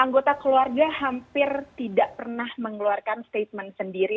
anggota keluarga hampir tidak pernah mengeluarkan statement sendiri